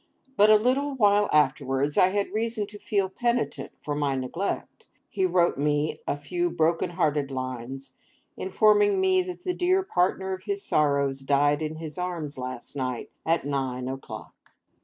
But a little while afterwards, I had reason to feel penitent for my neglect. He wrote me a few broken hearted lines, informing me that the dear partner of his sorrows died in his arms last night at nine o'clock!